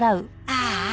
ああ。